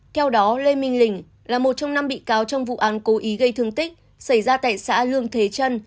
theo đó lê minh lình là một trong năm bị cáo trong vụ án cố ý gây thương tích xảy ra tại xã lương thế trân